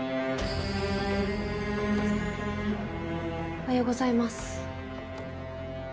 おはようございます。